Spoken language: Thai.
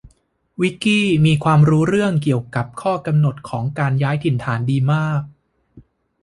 วิคกี้มีความรู้เรื่องเกี่ยวกับข้อกำหนดของการย้ายถิ่นฐานดีมาก